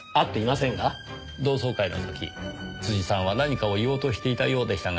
同窓会の時辻さんは何かを言おうとしていたようでしたが。